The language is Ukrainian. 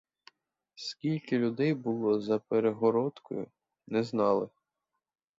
Скільки людей було за перегородкою — не знали.